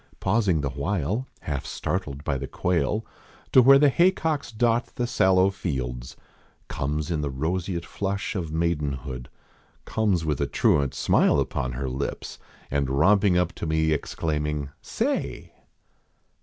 Pausing the while, half startled by the quail ), To where the haycocks dot the sallow fields ; Comes in the roseate flush of maidenhood ; Comes with a truant smile upon her lips. And romping up to me exclaiming :" Say